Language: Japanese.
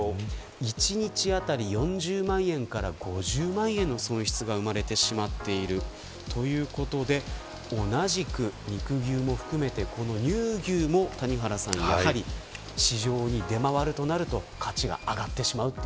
１日あたり４０万円から５０万円の損失が生まれているということで同じく肉牛も含めて乳牛もやはり市場に出回るとなると価値が上がってしまう。